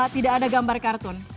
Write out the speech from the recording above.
tidak ada gambar kartun